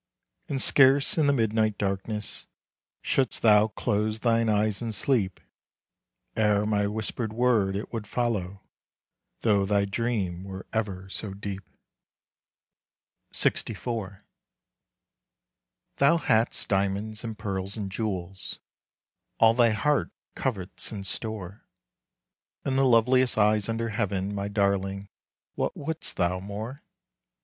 And scarce in the midnight darkness Shouldst thou close thine eyes in sleep, Ere my whispered word, it would follow, Though thy dream were ever so deep. LXIV. Thou hast diamonds, and pearls and jewels, All thy heart covets in store, And the loveliest eyes under heaven My darling, what wouldst thou more?